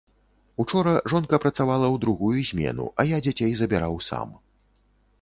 Учора жонка працавала ў другую змену, а я дзяцей забіраў сам.